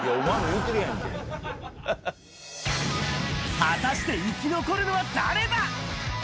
果たして、生き残るのは誰だ？